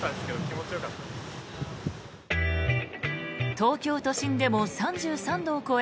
東京都心でも３３度を超え